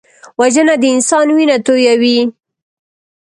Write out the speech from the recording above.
وژنه د انسان وینه تویوي